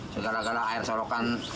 terus gara gara air sorokan